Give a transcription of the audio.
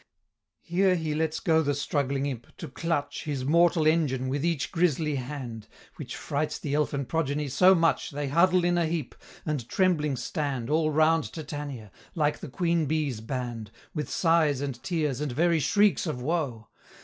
Here he lets go the struggling imp, to clutch. His mortal engine with each grisly hand, Which frights the elfin progeny so much, They huddle in a heap, and trembling stand All round Titania, like the queen bee's band, With sighs and tears and very shrieks of woe!